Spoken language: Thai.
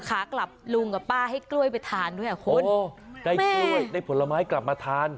ขากลับลุงกับป้าให้กล้วยไปทานด้วยอ่ะคุณโอ้ได้กล้วยได้ผลไม้กลับมาทาน